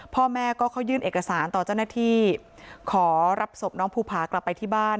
พ่อแม่ก็เข้ายื่นเอกสารต่อเจ้าหน้าที่ขอรับศพน้องภูผากลับไปที่บ้าน